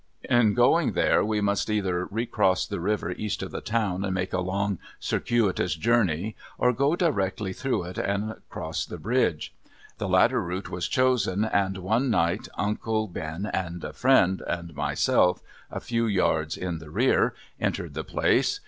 In going there we must either re cross the river east of the town and make a long, circuitous journey, or go directly through it and cross the bridge. The latter route was chosen, and one night uncle Ben and a friend, and myself a few yards in the rear, entered the place.